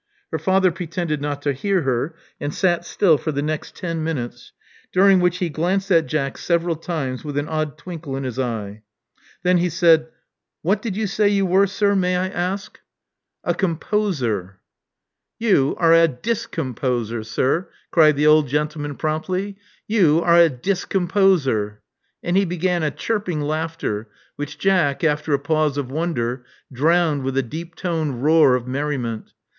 Her father pretended not to hear her, and sat still for the next ten minutes, during which he glanced at Jack several times, with an odd twinkle in his eye. Then he said: "What did you say you were, sir, may I ask?" Love Among the Artists 6i "A composer." You are a discomposer, sir," cried the old gentle man promptly. *'You are a discomposer." And he began a chirping laughter, which Jack, after a pause of wonder, drowned with a deeptoned roar of merri ment.